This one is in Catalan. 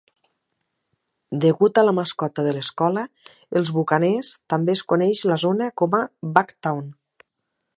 Degut a la mascota de l"escola, els bucaners, també es coneix la zona com a "Buc-town".